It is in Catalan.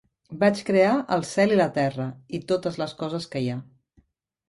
Vaig crear el cel i la terra, i totes les coses que hi ha.